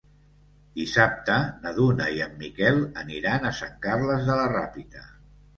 Dissabte na Duna i en Miquel aniran a Sant Carles de la Ràpita.